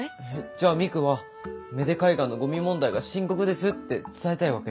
じゃミクは芽出海岸のゴミ問題が深刻ですって伝えたいわけ？